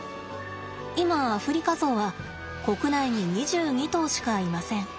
今アフリカゾウは国内に２２頭しかいません。